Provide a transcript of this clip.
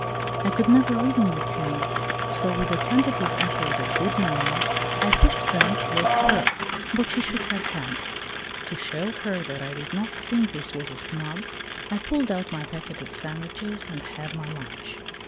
I could never read in the train, so, with a tentative effort at good manners, I pushed them towards her, but she shook her head ; to show her that I did not think this was a snub I pulled out my packet of sandwiches and had my lunch.